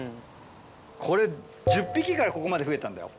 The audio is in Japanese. これ１０匹からここまで増えたんだよ。